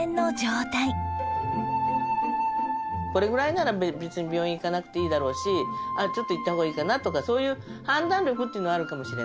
これぐらいなら別に病院行かなくていいだろうしちょっと行った方がいいかなとかそういう判断力っていうのはあるかもしれない。